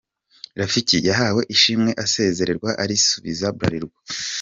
Rafiki yahawe ishimwe asezererwa arisubiza Bralirwa.